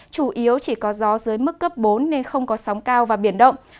chủ yếu chỉ có gió dưới mức cấp bốn nên không có sóng cao và biển động